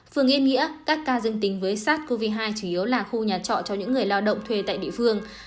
phường yên nghĩa các ca dương tính với sars cov hai chủ yếu là khu nhà trọ cho những người lao động thuê tại địa phương